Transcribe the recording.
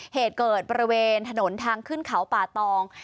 เหตุเกิดบริเวณถนนทางขึ้นเขาป่าตอง